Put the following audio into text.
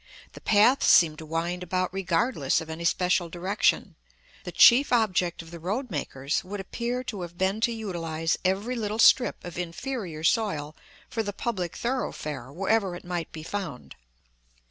The paths seem to wind about regardless of any special direction; the chief object of the road makers would appear to have been to utilize every little strip of inferior soil for the public thoroughfare wherever it might be found.